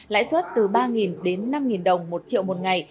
lãi suất từ ba đến năm đồng một triệu một ngày